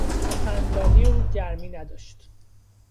سخنرانی او گرمی نداشت.